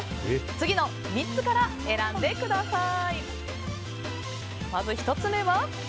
次の３つから選んでください。